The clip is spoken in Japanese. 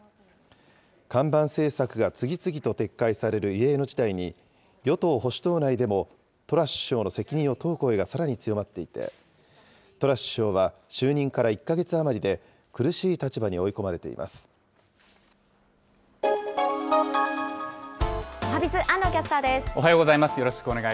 看板政策が次々と撤回される異例の事態に、与党・保守党内でもトラス首相の責任を問う声がさらに強まっていて、トラス首相は就任から１か月余りで、苦しい立場に追い込まれおはＢｉｚ、安藤キャスターおはようございます。